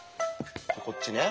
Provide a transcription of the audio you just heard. こっちね。